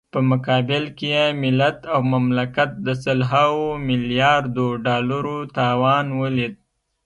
په مقابل کې يې ملت او مملکت د سلهاوو ملیاردو ډالرو تاوان وليد.